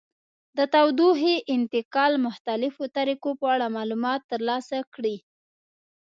د تودوخې انتقال مختلفو طریقو په اړه معلومات ترلاسه کړئ.